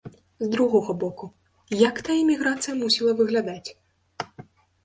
З другога боку, як тая эміграцыя мусіла выглядаць?